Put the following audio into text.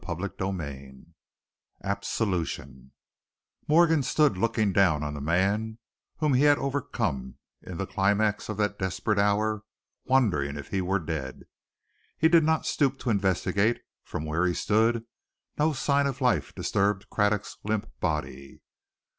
CHAPTER XXVII ABSOLUTION Morgan stood looking down on the man whom he had overcome in the climax of that desperate hour, wondering if he were dead. He did not stoop to investigate; from where he stood no sign of life disturbed Craddock's limp body.